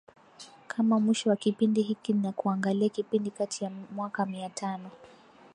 kama mwisho wa kipindi hiki na kuangalia kipindi kati ya mwaka mia tano